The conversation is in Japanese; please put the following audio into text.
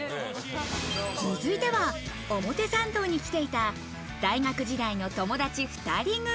続いては、表参道に来ていた、大学時代の友達２人組。